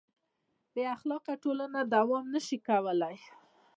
بېاخلاقه ټولنه دوام نهشي کولی.